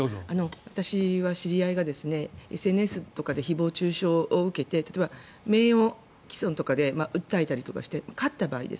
私は知り合いがＳＮＳとかで誹謗・中傷を受けて例えば、名誉毀損とかで訴えたりとかして勝った場合。